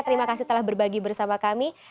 terima kasih telah berbagi bersama kami